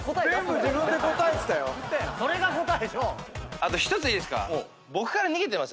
あと１ついいですか？